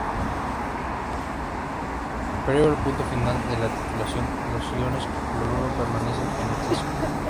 Previo al punto final de la titulación, los iones cloruro permanecen en exceso.